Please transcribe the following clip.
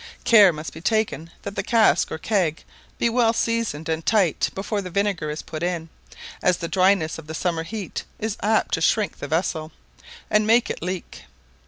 Care must be taken that the cask or keg be well seasoned and tight before the vinegar is put in; as the dryness of the summer heat is apt to shrink the vessel, and make it leak.